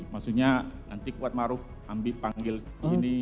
maksudnya nanti kuatmarum ambil panggil ini